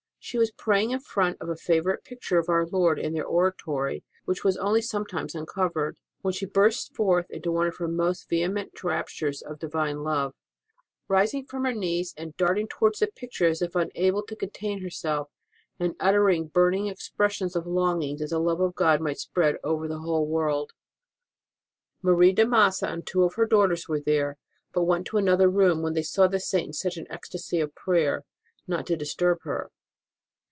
She was praying in front of a favourite picture of Our Lord in their 172 ST. ROSE OF LIMA oratory which was only sometimes uncovered, when she burst forth into one of her most vehe ment raptures of Divine love, rising from her knees and darting towards the picture as if unable to contain herself, and uttering burning expres sions of longing that the love of God might spread over the whole world. Marie de Massa and two of her daughters were there, but went into another room when they saw the Saint in such an ecstasy of prayer, not to dis turb her.